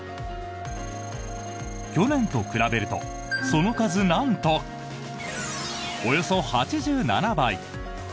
去年と比べるとその数なんと、およそ８７倍。